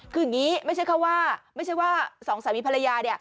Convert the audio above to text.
คืออย่างนี้ไม่ใช่ว่า๒สามีภรรยา